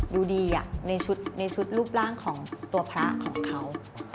ดูดีในชุดในชุดรูปร่างของตัวพระของเขา